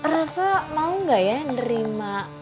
reva mau ga ya nerima